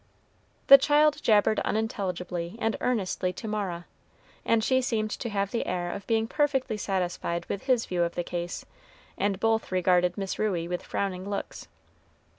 The child jabbered unintelligibly and earnestly to Mara, and she seemed to have the air of being perfectly satisfied with his view of the case, and both regarded Miss Ruey with frowning looks.